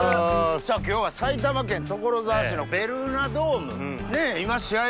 今日は埼玉県所沢市のベルーナドーム。